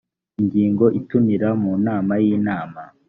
ingingo itumira mu nama y inama